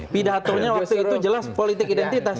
pidatonya waktu itu jelas politik identitas